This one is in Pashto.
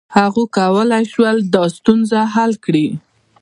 هغوی کولای شول دا ستونزه حل کړي.